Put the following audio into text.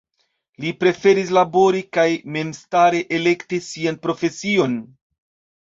Li preferis labori kaj memstare elekti sian profesion.